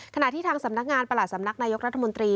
ขณะที่ทางสำนักงานประหลัดสำนักนายกรัฐมนตรี